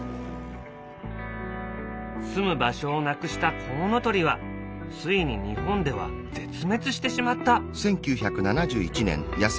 すむ場所をなくしたコウノトリはついに日本では絶滅してしまった。